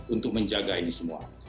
untuk menjaga ini semua